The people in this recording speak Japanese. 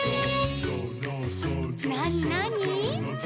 「なになに？」